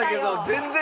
全然！